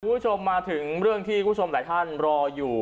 คุณผู้ชมมาถึงเรื่องที่คุณผู้ชมหลายท่านรออยู่